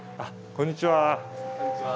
こんにちは。